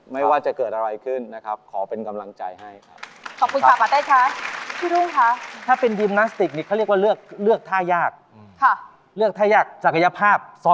ไม่ว่าจะเกิดอะไรขึ้นนะครับขอเป็นกำลังใจให้ครับ